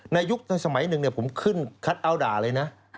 ยุคสมัยหนึ่งผมขึ้นคัทเอาท์ด่าเลยนะ